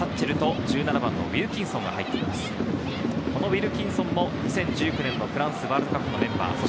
ウィルキンソンも２０１９年フランスワールドカップのメンバーです。